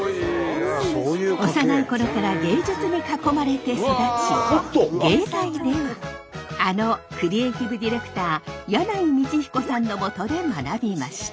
幼い頃から芸術に囲まれて育ち芸大ではあのクリエイティブ・ディレクター箭内道彦さんのもとで学びました。